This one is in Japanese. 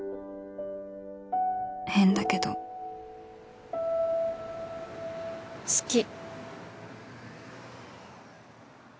変だけど好き。